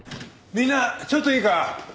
みんなちょっといいか。